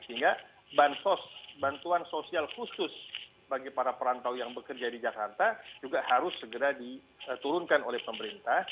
sehingga bantuan sosial khusus bagi para perantau yang bekerja di jakarta juga harus segera diturunkan oleh pemerintah